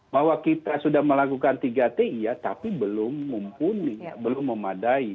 bahwa kita sudah melakukan tiga t iya tapi belum mumpuni belum memadai